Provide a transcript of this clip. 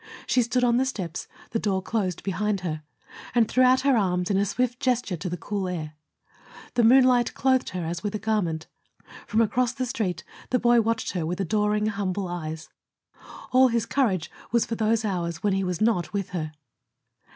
She stood on the steps, the door closed behind her, and threw out her arms in a swift gesture to the cool air. The moonlight clothed her as with a garment. From across the Street the boy watched her with adoring, humble eyes. All his courage was for those hours when he was not with her.